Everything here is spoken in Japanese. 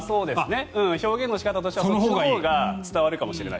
表現の仕方としてはそっちのほうが伝わるかもしれない。